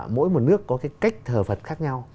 mỗi một nước có cái cách thờ phật khác nhau